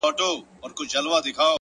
ماته ژړا نه راځي کله چي را یاد کړم هغه ـ